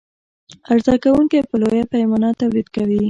عرضه کوونکى په لویه پیمانه تولید کوي.